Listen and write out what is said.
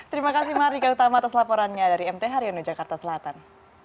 terima kasih mahardika utama atas laporannya dari mt haryono jakarta selatan